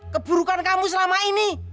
keburukan kamu selama ini